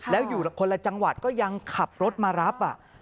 แล้วอยู่คนละจังหวัดก็ยังขับรถมารับ